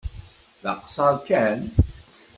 D aqeṣṣeṛ kan.